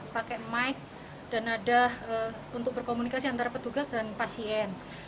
pakai mike dan ada untuk berkomunikasi antara petugas dan pasien